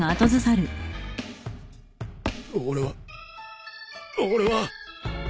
俺は俺は。